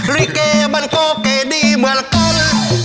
ลิเกมันก็เก๋ดีเหมือนกัน